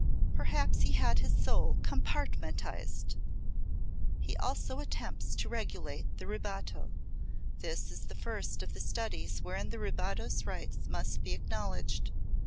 Perhaps he had his soul compartmentized. He also attempts to regulate the rubato this is the first of the studies wherein the rubato's rights must be acknowledged.